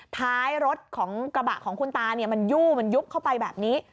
ท้ายรถของกระบะของคุณตามันยู่มันยุบเข้าไปแบบนี้